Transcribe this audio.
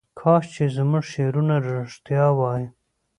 کاش چې زموږ شعرونه رښتیا وای.